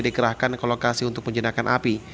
dikerahkan ke lokasi untuk menjinakkan api